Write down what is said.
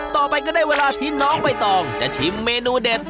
ต่อไปก็ได้เวลาที่น้องใบตองจะชิมเมนูเด็ด